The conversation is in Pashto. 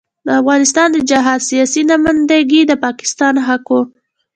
د افغانستان د جهاد سیاسي نمايندګي د پاکستان حق وو.